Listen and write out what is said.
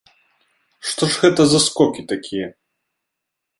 Што ж гэта за скокі такія?